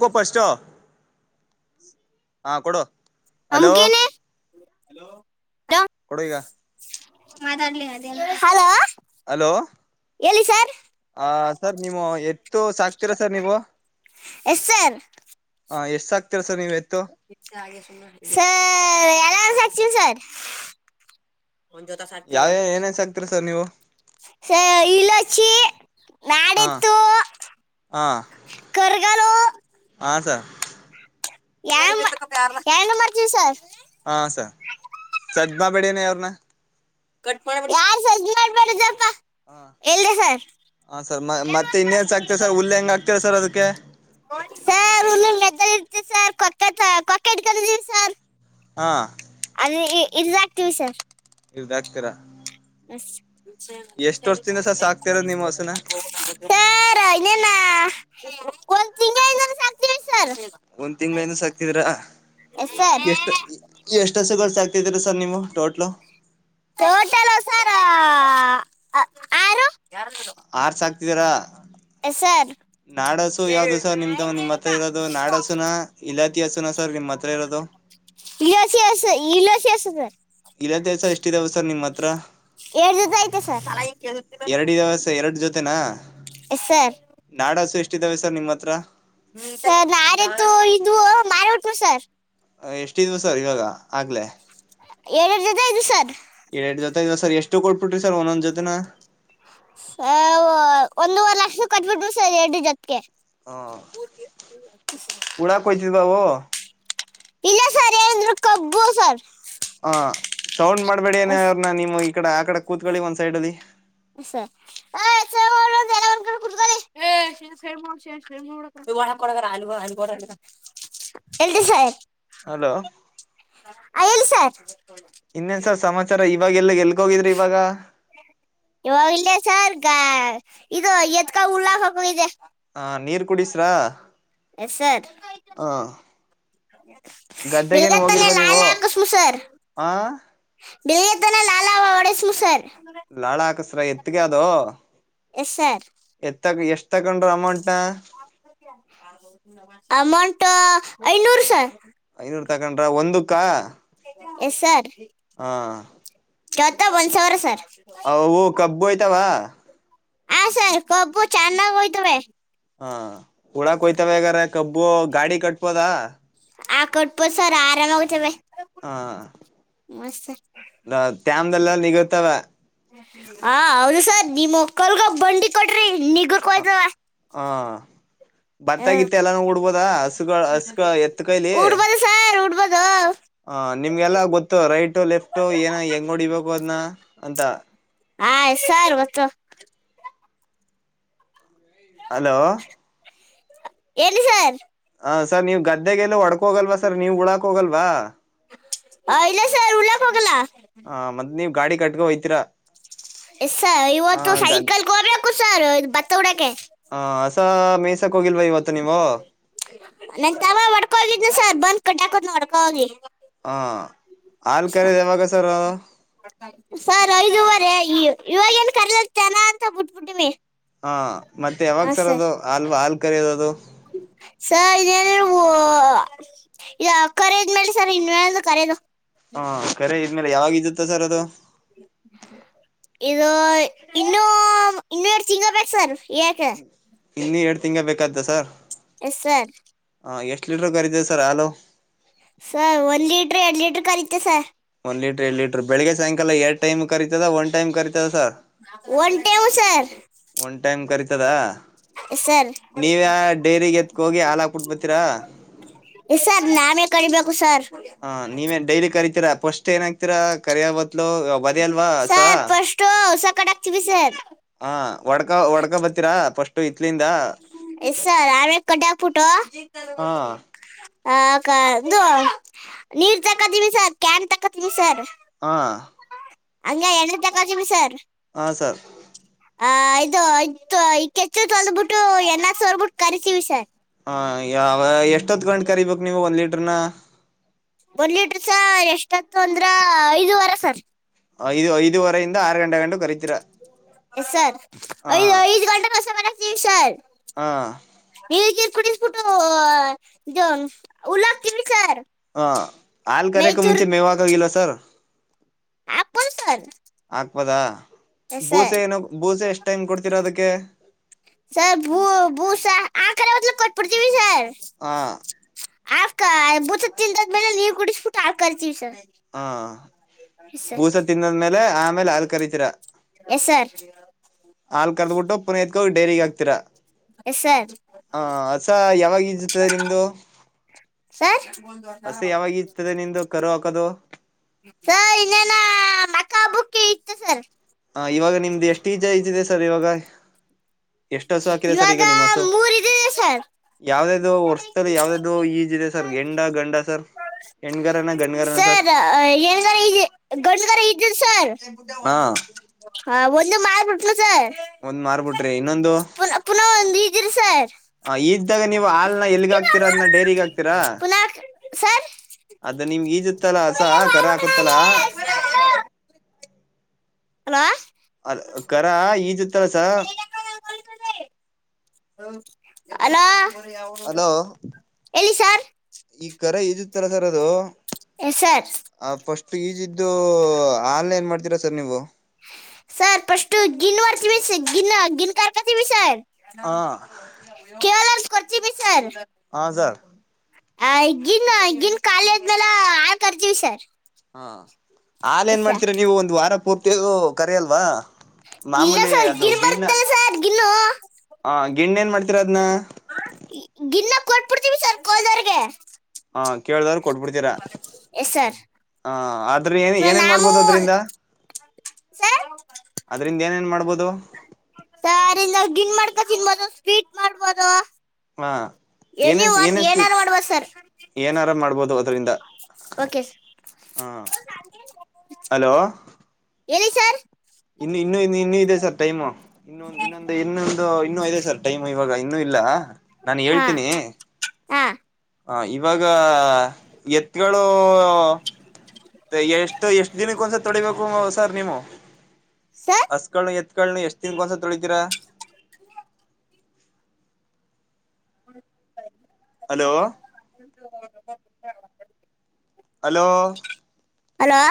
[inaudible] First. ಹಾ ಕೊಡು. Hello ಹಮ್ಕಿನಿ hello ಕೊಡು ಇಗ. ಮಾತಾಡ್ಲೇ ಅದೇನು. ಹಲೋ. ಹೇಳಿ ಸರ್. ಹ ಸರ್ ನೀವು ಎತ್ತು ಸಾಕ್ತೀರಾ ಸರ್ ನೀವು. Yes sir. ಹಾ ಎಷ್ಟು ಸಕ್ತೀರ ಸಾರ್ ನೀವು ಎತ್ತ ಸರ್ ಚಾರ್ಜ್ ಆಗ್ತೀವಿ ಸಾರ್. ಒನ್ ಜೋತೇ ಸಕ್ತಿನಿ ಯಾವ ಅಂದೇ ಏನೇನ್ ಸಾಕ್ತೀರಾ ಸರ್ ನೀವು ಸಾರ್ ಇಲ್ಲ ಸಿ. ಹಾ ಹಾ ಕರ್ಗಲು ಹ ಸರ್. ಯನ್ ಎರಡು ಮಾಡ್ತೀವಿ ಸರ್. ಹಾ ಸ ಸದ್ಮಾಡ್ಬೇಡಿ ಅನ್ನಿ ಅವ್ರನ. ಕಟ್ ಮಾಡ್ಬಿಟ್ಟ. ಹ ಹೇಳ್ರಿ ಸರ್, ಹಾ ಸರ್ ಮತ್ತೆ ಇನ್ನೇನ್ ಸಾಕ್ತೀರಾ ಸರ್ ಹುಲ್ಲು ಹೆಂಗ್ ಹಾಕ್ತೀರಾ ಸರ್ ಅದಕ್ಕೆ ಸರ್ ನೀವು. [unintelligible] ಚೆ ಸರ್ ಕೊಕೆ ಕೊಕ್ಕೆ ಇಡ್ಕೋತೀದ್ದೀವಿ ಸರ್. ಹಾ ಇ ಇ ಇಡ್ದಕ್ತಿವ್ ಸರ್. ಇರ್ದಕ್ತೀರಾ. ಆಸ್ಕ್ ಸರ್ ಸರ್ ಸಾಕ್ತಿರೋದ್ ನೀವು ಹಸುನ ಇನ್ನೇನ. ಒಂದ್ ತಿಂಗ್ಳ ಇಂದನು ಸಾಕ್ತಿವಿ ಸ ಒಂದ್ ತಿಂಗ್ಳ ಇನ ಸಾಕ್ತಿದ್ರ ಸರ್ ಎಷ್ಟ ಎಷ್ಟ ಅಸುಗಳ್ ಸಾಕ್ ತಿದಿರ್ ಸರ್ ನೀವು ಟೋಟ್ಲು. ಟೋಟಲ್ ಸರ್ ಆರು. ಆರ್ ಸಾಕ್ತಿದ್ರಾ. ಸರ್ ನಾಡ್ ಹಸು ಯಾವ್ದು ಸರ್ ನಿಮ್ದ ನಿಮ್ ಹತ್ರ ಇರೋದು ನಾಡ ಹಸುನಾ ಇಲಾತಿ ಹಸುನಾ ಸರ್ ನಿಮ್ ಹತ್ರ ಇರೋದು. ಇಲೋಸಿ ಇಲೋಸಿ ಸರ್ ಇಲ್ವತಿ ಅಸ ಎಷ್ಟ ಇದವ್ ಸರ್ ನಿಮ್ ಅತ್ ತ್ರ. ಎರಡ್ ಜೊತೆ ಅಯ್ತೆ ಸರ್. ಅಷ್ಟೇ ನಾ. Yes sir. ಸ್ಟ್ ಇದವೇ ಸರ್ ನಿಮ್ ಹತ್ರ. ಸರ್ ನಾಡ್ ಎತ್ತು ಇದ್ವು ಮಾರ್ಬಿಟ್ವು ಸರ್. ಅ ಯಸ್ಟ್ ಇದ್ವು ಸರ್ ಇವಾಗ ಆಗ್ಲೇ. ಎರ್ಡೆರ್ಡ್ ಜೊತೆ ಇದ್ವು ಸರ್. ಎರಡ್ ಜೊತೆ ಇದ್ವ ಸರ್ ಎಷ್ಟು ಕೊಟ್ಬಿಟ್ರಿ ಸರ್ ಒಂದೊಂದ್ ಜೊತೆನ. ಸಾ ಒಂದೂವರ್ ಲಕ್ಷ ಕಟ್ಬಿಟ್ರು ಸ ಎರಡು ಜೊತ್ಗೆ. ಹಾ ಉಳಕ್ ಹೊಯ್ತಿದ್ವ ಅವು. ಇಲ್ಲ ಸರ್ ಏಂದ್ರು ಕಬ್ಬು ಸರ್. ಹ ಸೌಂಡ್ ಮಾಡ್ಬೇಡಿ ಅನ್ನ್ ಅವ್ರನ್ನ ನಿಮ್ ಈ ಕಡೆ ಆ ಕಡೆ ಕೂತ್ಕೊಳ್ಳಿ ಒಂದ್ ಸೈಡ್ ಅಲ್ಲಿ. [unintelligible] ಹೇಳ್ರಿ ಸರ್. ಹಲೋ [unintelligible] ಇನ್ನೇನ್ಸ ಸಮಾಚಾರ ಇನ್ ಇವಾಗೆಲ್ಲಾ ಎಲ್ಗೋಗಿದ್ರಿ ಇವಾಗ. ಇವಾಗ್ ಇಲ್ಲೆ ಸರ್ ಇದು ಎತ್ಕ ಉಲ್ಲಾಕ್ ಹೋಗಿದೆ. ಹ ನೀರ್ ಕುಡಿಸ್ರ ಸರ್ ಹ ಗದ್ದೆಗೇನು ಬಿಲ್ಗತ್ತನೆ ಹೋಗಿಲ್ವಾ ನೀವು ಆ. ಬೆಲ್ಗೆತ್ತಾನೆ ಲಾಲಾವ ಒಡೆಸ್ವು ಸರ್. ಲಾಳ ಹಾಕುಸ್ ರ ಎತ್ಕೆ ಅದು. Yes sir. ತಗೊಂಡ್ರು ಅಮೌಂಟ್. [unintelligible] ಅಮೌಂಟು ಐನೂರು ಸರ್ ಐನೂರ್ ತಗೊಂಡ್ರ ಒಂದುಕ್ಕ? ಎಸ್ ಸರ್ ಹಾ ತ್ತ ಒಂದ್ ಸಾವರ ಸರ್ ಅವು ಕಬ್ಬು ಓಯ್ತವ? ಹಾ ಸರ್ ಕೊಬ್ಬು ಚನ್ನಾಗ್ ಓಯ್ತವೇ ಹಾ ಹುಳಾಕ್ ಒಯ್ತವೆ ಆಗಾರೆ ಕಬ್ಬು ಗಾಡಿ ಕಟ್ಬೋದ? ಆ ಕೊಟ್ಬೋದು ಸರ್ ಆರಾಮ ಓಯ್ತಾವೇ ಹಾ ದಲ್ಲ ನಿಗುರ್ತವೆ ಹ ಹೌದು ಸರ್ ನಿಮ್ಮ್ ಮಕ್ಕಲ್ಗ ಬಂಡಿ ಕೊಟ್ರಿ ಹ ಹ ಹ್ಮ್ ಭತ್ತಾಗಿತ್ತ ಎಲ್ಲಾನೂ ಉಡ್ಬೋದ ಹಸ್ಹಸು ಎತ್ತ ಕೈಲಿ ಉಡ್ಬೋದು ಸರ್ ಉಡ್ಬೋದು ಹ ನಿಮ್ಗೆಲ್ಲ ಗೊತ್ತು ರೈಟ ಲೆಫ್ಟು ಏನ ಹೆಂಗ್ ಹೊಡಿಬೇಕು ಅದ್ನ್ ಅಂತ ಆ ಸರ್ ಗೊತ್ತು ಹಲೋ ಹೇಳಿ ಸರ್ ಹಾ ಸರ್ ನೀವ್ ಗದ್ದೆಗೆಲ್ಲ ಹೊಡ್ಕ ಹೋಗಲ್ವಾ ಸರ್ ನೀವ್ ಉಳಾಕ್ ಹೋಗಲ್ವಾ? ಅ ಇಲ್ಲ ಸ ಉಳಾಕ್ ಹೋಗಲ್ಲ ಹಾ ಮದ್ ಗಾಡಿ ಕಟ್ಕೊ ಹೋಯ್ತಿರಾ ಎಸ್ ಸರ್ ಇವತ್ತು ಸಾಯಂಕಾಲಕ್ಕೆ ಹೋಗ್ಬೇಕು ಸರ್ ಬತ್ತ ಬುಡಕ್ಕೆ ಆಹ್ಹ್ [unintelligible] ನನ್ ತಮ್ಮ ಒಡ್ಕೋಗಿದ್ನು ಕಟ್ಟಾಕುದ್ನ್ ಒಡ್ಕೋ ಹೋಗಿ ಹ ಹಾಲ್ ಕರೆದ ಯಾವಾಗ ಸರ್ ಸರ್ ಐದುವರೆ ಈ ಇವಾಗ ಏನ್ ಕರೆಲ್ ಚನ ಅಂತ ಬಿಟ್ಬಿಟ್ಟಮಿ ಹಾ ಮತ್ತೆ ಯಾವಾಗ ಸರ್ ಅದು ಹಲ್ವಾ ಹಾಲು ಕರಿಯದ್ ಅದು ನೀವು ಈಗ ಕರಿದ್ಮೇಲೆ ಸರ್ ಇನ್ವಂದು ಕರೆದು ಹಾ ಕರೆ ಇ ಆಮೇಲೆ ಯಾವಾಗ್ ಇದುತ್ತ ಸರ್ ಅದು ಇದು ಇನ್ನೂ ಇನ್ನೂ ಎರ್ಡ್ ತಿಂಗ್ಳ್ ಬೇಕ್ ಸರ್ ಯಾಕೆ ಇನ್ ಗ್ಳ್ ಬೇಕಾತ್ತಾ ಸರ್? ಎಸ ಸರ್ ಹ ಎಷ್ಟು ಲೀಟರ್ ಕರೀತವೆ ಸರ್ ಹಾಲು ಡ್ರೀಕರಿಯತ್ತೆ ಸರ್ ಲೀಟರ್ ಲಟರ್ ಬೆಳಗ್ಗೆ ಸಾಯಂಕಾಲ ಎರಡ ಟೈಮ್ ಕರಿತದ ಒನ್ಟೈಮ್ ಕರಿ ಒನ್ಟೇಮ ಸರ್ ತದ ಸರ್ ನೀವ ಯ ಡೈರಿ ಎತ್ಕ ಹೋಗಿ ಹಾಲಾಕ್ಬಟ್ಬತೀರಾ ಕುು ಸಾರ್ ಹ ನೀವೇ ಡೈಲಿ ಕರೀತೀರಾ ಫಸ್ಟ್ ಏನಾಗ್ತೀರಾ ಕರಯಾವ ಸರ್ ಫಸ್ಟು ಹಸಾ ಕಟ್ ಹಾಕ್ತೀವಿ ಸರ್ ವಡಕಾ ವಡ್ಕಾ ಬತ್ತೀರಾ ಫಸ್ಟ್ ಎಸ್ ಸರ್ ಆಮೇಲ್ ಕಟ್ಟಾಕ ಬಿಟ್ಟು ಹಾ ಹಕ್ಕ ನೀರ್ ತಕತವಿ ಸರ್ ಕ್ಯಾನ್ ತಕತವಿ ಸರ್ ಹಾ ಹಂಗ ಎಣ ತಗತೀವಿ ಸರ್ ಹ ಸರ್ ಆ ಇದು ಇಕ್ಕೆೆಚ್ಲು ತೊಲ್ಬಿಟ್ಟು ಎಣ್ಣೆ ಸೋರ್ಬಿಟ್ಟು ಕರಿತೀವಿ ಸಾರ್ ಹಾ ಯಾವ ಎಷ್ಟೊತ್ಕೊಂಡ ಕರಿಬೇಕು ನೀವ್ ಒಂದ್ ಲೀಟ್ರನ ಒಂದು ಲೀಟ್ರ ಸ ಎಷ್ಟತ್ತು ಅಂದ್ರ ಐದ ವಾರ ಸರ್ ಐದು ಐದುವರೆಯಿಂದ ಆರು ಗಂಟೆಂಟುಖರೀತು ಎ ಸರ್ ಐದು ಐದು ಗಂಟೆ ಕಸ ಮನೆ ನಿರ್ ಸರ್ ಹ ಈಗಕುಟ್ಟ ಇುಟ್ಟು ಉಲ್ಲ ಕ ಸಾರ್ ಹ ಹಾ ಕರೆಕ ಮುಂಚೆ ಮೇವ್ಾಗೋಗಲ್ಲ ತ್ತರ ಆ ಸನ್ ವದ ಬೂಸೆ ಏನೋ ಬೂಸೆ ಎಷ್ಟ್ ಟೈಮ್ ಕೊಡ್ತಿೀರೋ ಅದಕ್ಕೆ ೆ ಸರ್ ಬೂ ಬೂಸ ಆ ಕಡೆ ಹದ್ಲ ಕೊಟ್ಬಿಡ್ತೀವಿ ಸರ್ ಹ ಆಕ್ಕ ಬತ ತಿಂದಾದ್ಮೇಲೆ ನೀವ್ ಕುಡಿಸ್ಬಿಟ್ಟು ಆಾ ಕರ್ತೀವಿ ಸರ್ ಹಾ ಎಸ್ ಸರ್ ಬೂಸ ತನ್ನದ್ಮೇಲೆ ಆಮೇಲೆ ಹಾಲ್ ಕರಿತೀರ ಎಸ್ ಸರ್ ಹಲ್ ಕರೆದಬಿಟ್ಟು ಪುನ ಇಗ ಡೈರಿಗೆ ಆಗ್ತಿರಾ ಎಸ್ ಸರ್ ಹ ಅಸ ಯಾವಾಗತದೆ ನಿಮ್ದು ಸರ್ ಅಸ ಯಾವಾಗತದೆ ನಿಮ್ದು ಕರುವ ಅದು ಸ ಇನ್ನೇನ ಮಕ್ಕ ಬುಕ್ಕಿ ಇತ್ತು ಸರ್. ಹ ಇವಾಗ ನಿಮ್ದು ಎಷ್ಟ ಈಜ ಐದದೇ ಸ್ ಸರ್ ಇವಾಗ. ಎಷ್ಟು ಹಸು ಹಾಕಿದೆ ಸರ್ ಇವಾಗ ಈಗ ನಿಮ್ಮ ಹಸು ಮೂರ್ ಇದ್ದಿದೆ ಸರ್, ಯಾವ್ದ್ಯಾವ್ದು ವರ್ಷದಲ್ಲಿ ಯಾವ್ದ್ಯಾವ್ದು ಈಜಿದೆ ಸರ್ ಹೆಂಡ ಗಂಡ ಸರ್ ಹೆಣ್ಗರನ ಗಂಡ್ಗರನ ಸರ್ ಹೆಣ್ಗಾರ ಇದಿ ಗಂಡ್ಗಾರ ಇದ್ದದ್ ಸರ್. ಹಾ ಹಾ ಓತ್ ಇನ್ನು ಮಾರ್ಬುಟ್ನು ಸರ್. ಒಂದ್ ಮಾರ್ಬಿಟ್ರಿ ಇನ್ನೊಂದು. ಪುನಃ ಪುನಃ ಒಂದು ಇದ್ರಿ ಸರ್ ಆ ಈದ್ದಾಗ ನೀವು ಹಾಲ್ನ ಎಲ್ಗ ಹಾಕ್ತೀರಾ ಅದನ್ನ ಡೈರಿಗ್ ಹಾಕ್ತೀರಾ ಪುನಃ ಸರ್ ಅದ್ ನಿಮ್ಗೆ ಈಜತ್ತಲ ಹಸ ಕರ ಹಾಕುತ್ತಲ. ಹಲೋ ಅದ ಕರ ಈಜತ್ತಸ. ಅಲೋ ಹಲೋ ಹೇಲಿ ಸಾರ್ ಈ ಕರ ಇದಿತ್ತಲ ಸರ್ ಅದು ಎಸ್ ಸರ್ ಆ ಫಸ್ಟ್ ಫೀಜ ಇದ್ದು ಹಾಲ್ ಏನ್ ಮಾಡ್ತೀರಾ ಸರ್ ನೀವು. ಸರ್ ಪಷ್ಟು ಗಿನ್ವರ್ತೀವಿ ಗಿನ್ ಗಿನ್ ಕಾರ್ಕತೀವಿ ಸರ್. ಹಾ ಕೆವಲ್ರ್ಸ್ ಕೊರ್ತಿವಿ ಸರ್. ಹ ಸರ್. ಆ ಗಿನ್ನ ಗಿನ್ ಖಾಲಿ ಆದ್ಮೇಲ ಹಾಲ್ ಕರ್ತೀವ್ ಸರ್. ಹಾ ಹಾಲ್ ಎಸ್ ಏನ್ ಸರ್ ಮಾಡ್ತೀರಾ ನೀವು ಒಂದ್ ವಾರ ಪೂರ್ ತಿಗು ಕರ್ಯಲ್ವಾ. ಇಲ್ಲ ಸರ್ ಗಿಣ್ಣ್ ಬರುತ್ತಲ್ಲ ಸರ್ ಗಿಣ್ಣು. ತ್ರಾದ್ನ್ ಗಿನ್ನ ಕೊಟ್ಬಿಡ್ತೀವಿ ಸರ್ ಗೋಲ್ದೋವ್ರ್ಗೆ. ಹಾ ಕೇಳ್ದಾರ್ ಕೊಟ್ಬುಡ್ತೀರಾ ಎಸ್ ಹ. ಆರ್ ಸರ್ ನಾಮೂ ಸರ್ ಅದ್ರಿಂದ ಏನೇನ್ ಮಾಡ್ಬೋದು ಸರ್ ಇನ್ ಗಿಣ್ ಮಾಡ್ ತಿನ್ಬೋದು ಸ್ವೀಟ್ ಮಾಡ್ಬೋದು. ಹಾ ಎನಿ ಏನೇನ್ ಒನ್ ಏನೇನ್ ಸ್ಪೀಡ್ ಏನಾರು ಮಾಡ್ಬೊದು ಸರ್. ಏನಾರ ಮಾಡ್ಬೋದು ಅದರಿಂದ ಓಕೆ ಸರ್ ಹ ಹಲೋ ಹೇಳಿ ಸರ್. ಇನ್ನು ಇನ್ನು ಇನ್ನು ಇನ್ನೂ ಇದೆ ಸರ್ ಟೈಮು ಇನ್ನು [unintelligible] ಇನ್ನು ಇಲ್ಲ ನಾನ್ ಹಾ ಹೇಳ್ತೀನಿ. ಹಾ ಹ ಇವಾಗ ಎತ್ಗಳು ಎಷ್ಟು ಎಷ್ಟ ದಿನಕ್ಕ ಒಂದ್ಸತ್ ತೊಳಿಬೇಕು ಸರ್ ನೀವು ಸರ್ ಹಸ್ಗಳ್ನ್ನ ಎತ್ಗಳ್ನ್ನ ಎಷ್ಟ್ ದಿನಕ್ ಒಂದ್ಸತಿ ತೊಳಿತೀರಾ. ಹು ಸರಿ. ಹಲೋ [unintelligible] [unintelligible] ಹಲೋ ಹಲೋ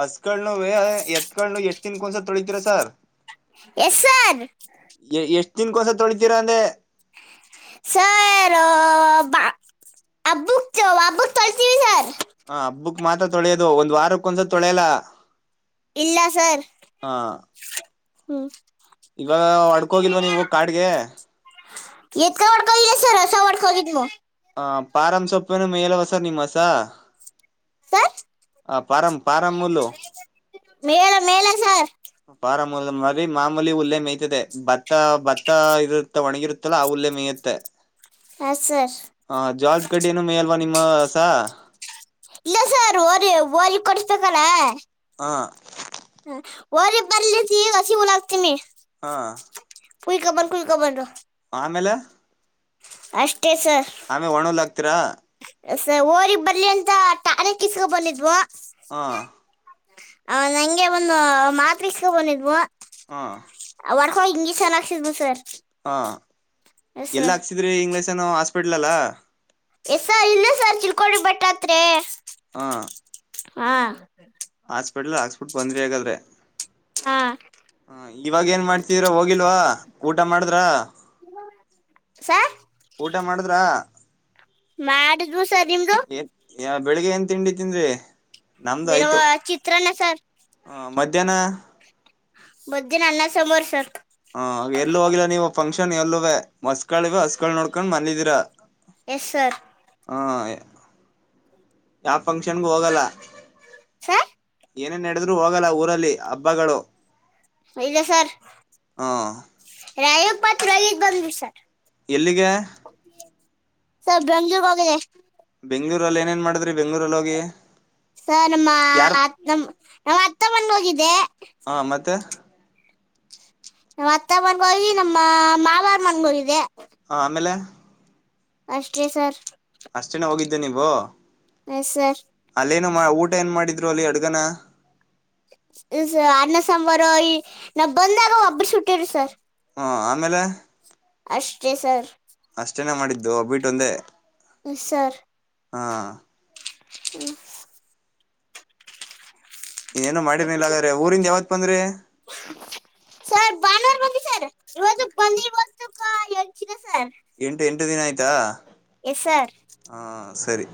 ಹಸ್ಕಳ್ನಗೆ ಎತ್ಕಳ್ನ ಎಷ್ಟ್ ದಿನ್ಕೊ ಒಂದ್ಸರಿ ತೊಳಿತೀರ ಸಾರ್. Yes sir. ತಿನ್ಕೋಸ ತೊಳಿತಿರ ಅಂದೆ. ಸರ್ ಆ ಬ ಹಬ್ಬಕ್ ಹಬ್ಬಕ್ ತೋಳ್ತೀವಿ ಸರ್. ಹ ಹಬ್ಬಕ್ ಮಾತ್ರ ತೊಳ್ಯೋದು ಒಂದ್ ವಾರಕ್ ಒಂದ್ಸತಿ ತೊಳ್ಯಲ. ಇಲ್ಲ ಸರ್. ಹ್ಮ್ ಇವಾಗ ಹೊಡ್ಕೋಗಿಲ್ವಾ ನೀವು ಕಾಡ್ಗೆ ಎತ್ಕ ವಡ್ಕೊ ಹೋಗಿದ್ದೆ ಸರ್ ಹಸ ವಡ್ಕೊ ಹೊಗಿದ್ನು. ಹ ಪಾರಂ ಸೊಪ್ಪೇನು ಮೇಲವ ಸರ್ ಏನ್ ನಿಮ್ ಹಸ. ಸರ್ ಆ ಪಾರಂ ಪಾರಂ ಹುಲ್ಲು. ಮೇಳ ಮೇಳ ಸಾರ್. ಪಾರಮೂಲ್ ಮರಿ ಮಾಮೂಲಿ ಹುಲ್ಲೆ ಮೆಯತದೆ ಭತ್ತ ಭತ್ತ ಇರುತ್ತ ಒಣಗಿರುತ್ತಲ್ಲ ಆ ಉುಲ್ಲೆ ಮೇಯ್ಯುತ್ತೆ. ಹಾ ಸರ್ ಹಾ ಜ್ವಾಳದ್ ಕಡ್ಡಿನು ಮೇಲ್ವಾ ನಿಮ್ ಆ ಹಸ. ಇಲ್ಲ ಸರ್ ವೊರಿ ಓರಿ ಕೊಡುಸ್ಬೇಕಲ್ಲ. ಹಾಂ ಓರಿ ಬರ್ಲಿಗ್ದಿ ಅಸಿ ಹುಲ್ ಆಗ್ತಿಮಿ. ಹಾ ಕುಯ್ಕೊ ಬಂದ್ ಕುಯ್ಕೊ ಬಂದ್. ಆಮೇಲೆ ಅಷ್ ಆಮೆ ಒಣ್ ಹುಲ್ ಹಾಕ್ ತಿರ. ಸ ಒರಿ ಬರ್ಲಿ ಅಂತ ಟಣೆಕ್ ಇಸ್ಕೊ ಬಂದಿದ್ವೊ. ಹ ಆ ನಂಗೆ ಒಂದು ಮಾತ್ರೆ ಇಸ್ಕೊ ಬಂದಿದ್ವು. ಹುಂ ಒರ್ಕೊ ಹೋಗ್ ಇಂಜೆಕ್ಷನ್ ಆಕ್ಸಿದ್ವು ಸರ್. ಹಾ ಎಸ್ ಎಲ್ ಸರ್ ಹಾಕ್ಸಿದ್ರಿ ಇಂಗ್ಲ್ ಷನು ಹಾಸ್ಪಿಟಲ್ಲಾ. ಎಸ್ ಸರ್ ಇಲ್ಲೆ ಸರ್ ತಿಳ್ಕೊಂಡ್ರೆ ಬೆಟ್ಟ ಹತ್ರಿ. ಹಾ ಹಾ ಹಾಸ್ಪಿಟ್ಲ್ ಹಾಕ್ಸ್ಪಿಟ್ ಬಂದ್ರಿ ಹಗಾದ್ರೆ. ಹಾ ಇವಾಗ್ ಏನ್ ಮಾಡ್ತಿದಿರಾ ಹೋಗಿಲ್ವಾ ಊಟ ಮಾಡುದ್ರ. ಸರ್ ಊಟ ಮಾಡುದ್ರ. ಮಾಡಿದ್ವು ಸರ್ ನಿಮ್ದು. ಏನ್ ಬೆಳಿಗ್ಗೆ ಏನ್ ತಿಂಡಿತಿನ್ದ್ರಿ. ಬೆಳಗ್ಗ ಚಿತ್ರನ್ನ. ಚರ್ ಹ ಮಧ್ಯಾಹ್ನ. ಮಧ್ಯಾಹ್ನ ಅನ್ನ ಸಾಂಬಾರ ಸರ್. ಕ್ಷನ್ ಯಲ್ಲುವೆ. ಮಸ್ಕಳಿವ್ ಹಸ್ಗುಳ್ ನೋಡ್ಕ ಕೊಂಡ್ ಬಂದಿದಿರಾ. Yes sir. ಯಾವ್ ಫಂಕ್ಷನ್ಗು ಹೋಗಲ್ಲ. ಸರ್ ಏನೆ ನೆಡುದ್ರು ಹೋಗಲ್ಲ ಊರಲ್ಲಿ ಹಬ್ಬಗಳು. ಇಲ್ಲ ಸರ್ ಹಾ ರಾಯುಗ್ ಪತ್ರ ರೋಯಿದ್ ಬಂದ್ವಿ ಸರ್. ಎಲ್ಲಿಗೆ ಸರ್ ಬೆಂಗ್ಳೂರು ಹೋಗಿದ್ದೆ. ಬೆಂಗ್ಳೂರಲ್ ಏನೇನ್ ಮಾಡ್ ಸರ್ ನಮ್ಮ ಯಾರ್ ನಮ್ ಅತ್ ಅತ್ತೆ ಮನೆಗ್ ಹೋಗಿದ್ [unintelligible] ಹಾ ಮತ್ತೆ ಅತ್ತ ಮನಗೋಗಿ ನಮ್ಮ ಮಾವಾರ ಮನಗೊಗಿದ್ದೆ ಹ ಆಮೇಲೆ ಅಷ್ಟೇ ಸರ್ ಅಷ್ಟೇನ ಹೋಗಿದ್ದೆ ನೀವು ಹ ಸರ್ ಅಲ್ಲೇನು ಮಾ ಊಟ ಏನ್ ಮಾಡಿದ್ರು ಅಲ್ಲಿ ಅಡ್ಗನ ಇ ಸ ಅನ್ನಸಂಬಾರು ಈ ನಾ ಬಂದಾಗ ಒಬ್ಬ್ರ ಸುಟ್ಟ್ರ ಸರ್ ಹಾ ಆಮೇಲೆ ಅಷ್ಟೇ ಸರ್ ಅಷ್ಟೇನೆ ಮಾಡಿದ್ ದು ಒಬ್ಬಿಟ್ ಒಂದೇ ಎಸ್ ಸರ್ ಹಾ ಹ್ಮ ಇನ್ನೇನು ಮಾಡಿರ್ಲಿಲ್ಲ ಹಂಗಾರೆ ಊರಿಂದ ಯಾವತ್ ಪಂದ್ರಿ ಸರ್ ಬಾನ್ವರ ಬಂದ್ವಿ ಸರ್ ಇವತ್ತ್ಗ್ ಬಂದ ಇವ್ ತ್ತುಕ ಎಂಚಿನ [unintelligible] ಎಂಟು ಎಂಟು ದಿನ ಆಯ ತಾ ಎಸ್ ಸರ್ ಸರಿ